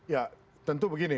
ya tentu begini